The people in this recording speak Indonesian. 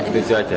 lebih mudah ya